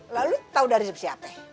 lalu tahu dari siapa